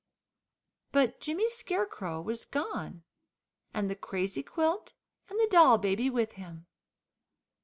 But Jimmy Scarecrow was gone, and the crazy quilt and the doll baby with him.